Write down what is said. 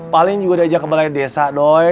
paling juga diajak ke balai desa doi